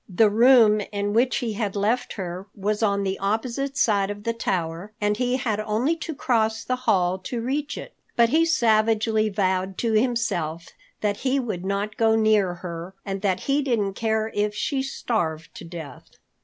The room in which he had left her was on the opposite side of the tower, and he had only to cross the hall to reach it, but he savagely vowed to himself that he would not go near her, and that he didn't care if she starved to death.